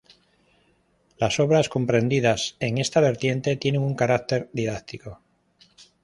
Las obras comprendidas en esta vertiente, tienen un carácter didáctico.